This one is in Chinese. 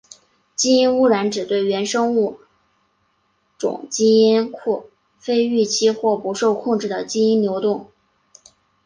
基因污染指对原生物种基因库非预期或不受控制的基因流动。